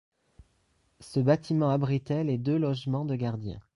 Ce bâtiment abritait les deux logements de gardiens.